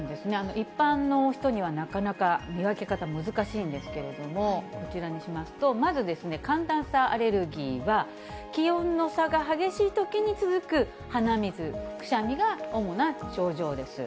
一般の人にはなかなか見分け方難しいんですけれども、こちらにしますと、まずですね、寒暖差アレルギーは、気温の差が激しいときに続く鼻水、くしゃみが主な症状です。